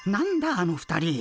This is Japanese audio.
あの２人。